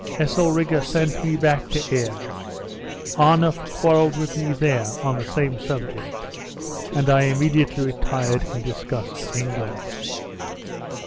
Heselrigge sent me back to Ayr. Arnuf quarreled with me there, on the same subject; and I immediately retired in disgust to England."